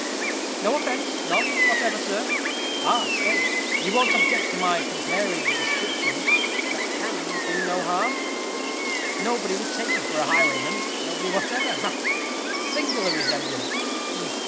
"No offence; none whatever, sir. Ah! stay, you won't object to my comparing the description. That can do no harm. Nobody would take you for a highwayman nobody whatever ha! ha! Singular resemblance he he.